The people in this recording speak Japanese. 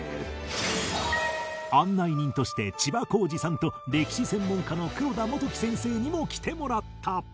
案内人として千葉公慈さんと歴史専門家の黒田基樹先生にも来てもらった